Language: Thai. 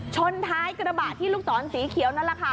ชนท้ายกระบะที่ลูกศรสีเขียวนั่นแหละค่ะ